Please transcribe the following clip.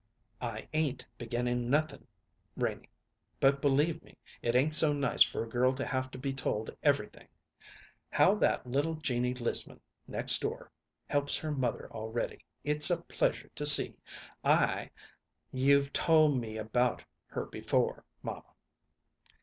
"I ain't beginning nothing, Renie; but, believe me, it ain't so nice for a girl to have to be told everything. How that little Jeannie Lissman, next door, helps her mother already, it's a pleasure to see. I " "You've told me about her before, mamma."